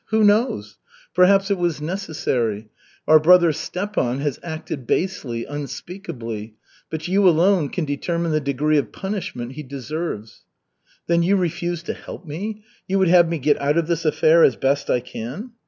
Who knows, perhaps it was necessary. Our brother Stepan has acted basely, unspeakably, but you alone can determine the degree of punishment he deserves." "Then you refuse to help me? You would have me get out of this affair as best I can?"